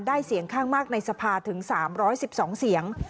เสียงข้างมากในสภาถึง๓๑๒เสียง